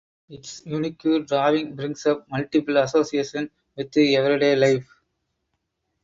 Its unique drawing brings up multiple associations with everyday life.